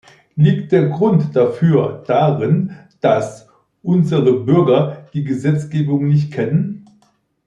Liegt der Grund dafür darin, dass unsere Bürger die Gesetzgebung nicht kennen?